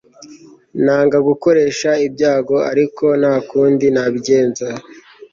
Nanga gukoresha ibyago ariko nta kundi nabigenza